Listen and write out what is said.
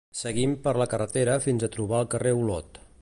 seguim per la carretera fins a trobar el carrer Olot